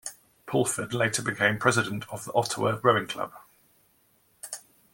Pulford later became president of the Ottawa Rowing Club.